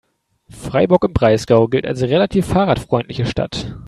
Freiburg im Breisgau gilt als relativ fahrradfreundliche Stadt.